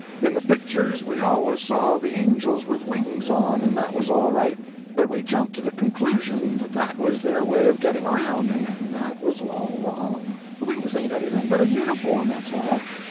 In the pictures we always saw the angels with wings on—and that was all right; but we jumped to the conclusion that that was their way of getting around—and that was all wrong. The wings ain't anything but a uniform, that's all.